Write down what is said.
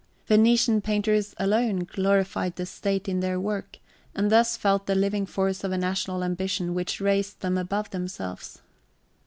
Venetian painters alone glorified the state in their work, and thus felt the living force of a national ambition which raised them above themselves.